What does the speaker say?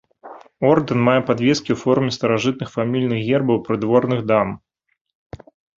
Ордэн мае падвескі ў форме старажытных фамільных гербаў прыдворных дам.